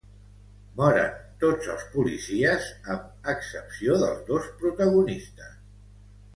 Moren tots els policies amb excepció dels dos protagonistes.